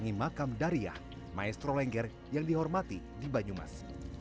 mengingi makam dariah maestro lengger yang dihormati di banyumas